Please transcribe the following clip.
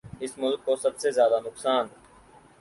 اس ملک کو سب سے زیادہ نقصان